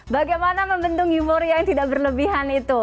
bagaimana membentuk euforia yang tidak berlebihan itu